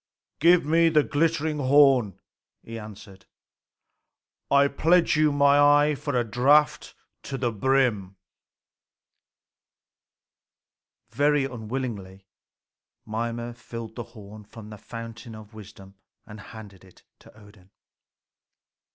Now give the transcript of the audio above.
"Give me the glittering horn," he answered. "I pledge you my eye for a draught to the brim." Very unwillingly Mimer filled the horn from the fountain of wisdom and handed it to Odin.